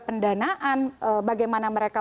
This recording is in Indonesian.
pendanaan bagaimana mereka